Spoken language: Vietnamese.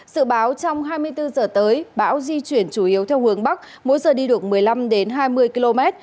sự báo trong hai mươi bốn giờ tới bão di chuyển chủ yếu theo hướng bắc mỗi giờ đi được một mươi năm hai mươi km